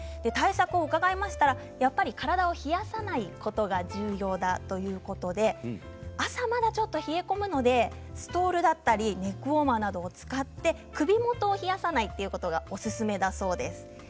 対策を伺いましたら、やっぱり体を冷やさないことが重要だということで朝まだちょっと冷え込むのでストールだったりネックウォーマーなどを使って首元を冷やさないということがおすすめだそうです。